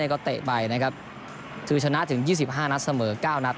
ก็เตะไปนะครับคือชนะถึง๒๕นัดเสมอ๙นัด